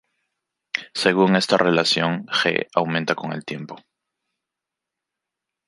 Según esta relación, "G" aumenta con el tiempo.